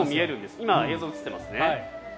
今、映像に映っていますね。